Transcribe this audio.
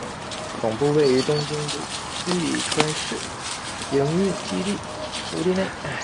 总部位于东京都立川市营运基地敷地内。